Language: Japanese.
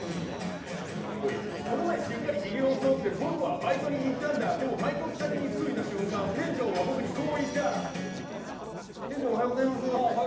この前しっかり髭をそって僕はバイトに行ったんだでもバイト先に着いた瞬間、店長は僕にこう言ったあっ店長、おはようございます。